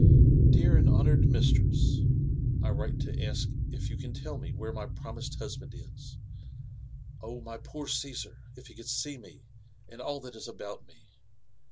" Dear and honoured mistress, I write to ask if you can tell me where my promised husband !&. Oh, my poor Cesar !— if he could see me, and all that is aboQt me